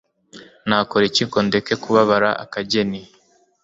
nakora iki ngo ndeke kubabara akageni